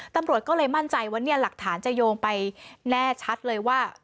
ตำรวจก็เลยมั่นใจว่าเนี่ยหลักฐานจะโยงไปแน่ชัดเลยว่า